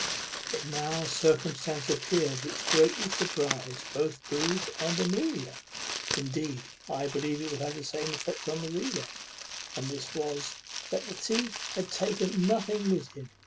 But now a circumstance appeared which greatly surprized both Booth and Amelia; indeed, I believe it will have the same effect on the reader; and this was, that the thief had taken nothing with him.